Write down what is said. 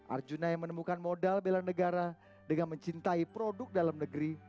arjuna yang menemukan modal bela negara dengan mencintai produk dalam negeri